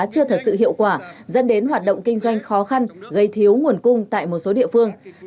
chưa thật sự hiệu quả dẫn đến hoạt động kinh doanh khó khăn gây thiếu nguồn cung tại một số địa phương